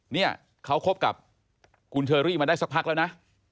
เนี่ยเขาคบกับคุณเชอรี่มาได้สักพักแล้วนะ